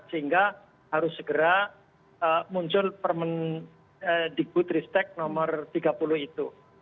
sehingga harus segera muncul permen di kut tristek nomor tiga puluh itu